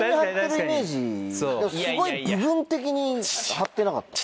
すごい部分的に張ってなかった？